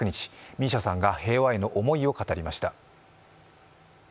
ＭＩＳＩＡさんが平和への思いを語りました。